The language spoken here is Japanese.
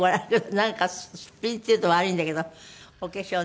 なんか「すっぴん」って言うと悪いんだけどお化粧なしで。